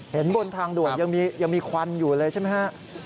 บนทางด่วนยังมีควันอยู่เลยใช่ไหมฮะ